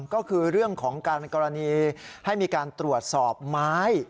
ก็คือเรื่องของการกรณีให้มีการตรวจสอบไม้